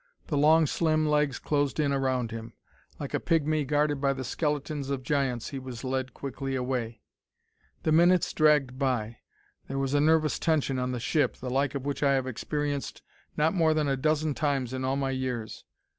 The long, slim legs closed in around him; like a pigmy guarded by the skeletons of giants he was led quickly away. The minutes dragged by. There was a nervous tension on the ship, the like of which I have experienced not more than a dozen times in all my years.